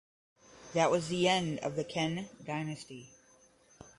That was the end of the Khen dynasty.